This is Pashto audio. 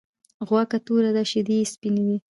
غوا که توره ده شيدې یی سپيني دی .